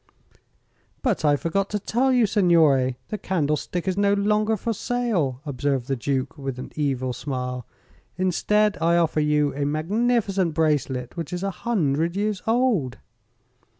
"But I forgot to tell you, signore; the candlestick is no longer for sale," observed the Duke, with an evil smile. "Instead, I offer you a magnificent bracelet which is a hundred years old."